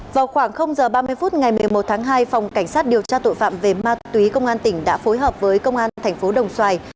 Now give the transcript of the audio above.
vào khoảng h ba mươi phút ngày một mươi một tháng hai phòng cảnh sát điều tra tội phạm về ma túy công an tỉnh đã phối hợp với công an thành phố đồng xoài